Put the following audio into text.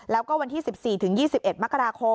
แล้วก็วันที่๑๔ถึง๒๑มกราคม